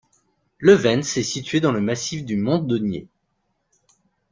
Levens est située dans le massif du Montdenier.